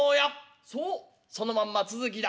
「そうそのまんま続きだ。